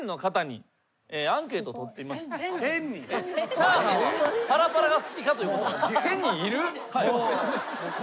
チャーハンはパラパラが好きかということ。